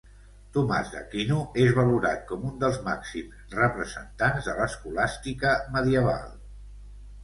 Tomàs d'Aquino és valorat com un dels màxims representants de l'escolàstica medieval.